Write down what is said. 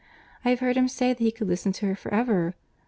I have heard him say that he could listen to her for ever.